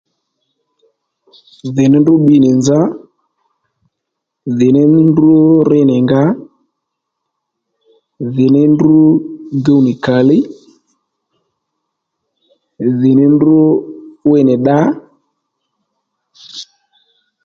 Dhì ní ndrǔ bbi nì nza dhì ní ndrǔ ri nì nga dhì ní ndrǔ guw nì kàlíy, dhì ní ndrǔ 'wiy nì dda